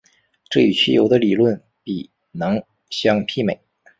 这与汽油的理论比能相媲美。